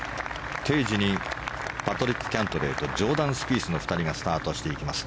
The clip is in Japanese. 定時にパトリック・キャントレーとジョーダン・スピースの２人がスタートしていきます。